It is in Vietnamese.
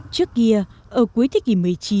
trước kia ở cuối thế kỷ một mươi chín